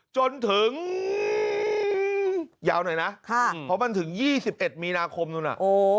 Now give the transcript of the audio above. จนถึงยาวหน่อยนะเพราะมันถึง๒๑มีนาคมนู่นน่ะ